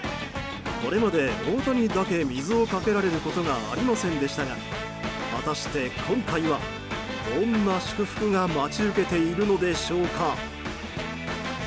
これまで大谷だけ水をかけられることがありませんでしたが果たして今回は、どんな祝福が待ち受けているのでしょうか。